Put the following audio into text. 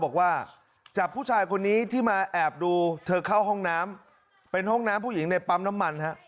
บอกว่าจับผู้ชายคนนี้ที่มาแอบดูเธอเข้าห้องน้ำเป็นห้องน้ำผู้หญิงในปั๊มน้ำมันฮะ